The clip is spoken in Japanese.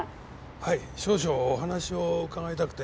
はい少々お話を伺いたくて。